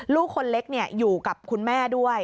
ลูกคนเล็กอยู่กับคุณแม่ด้วย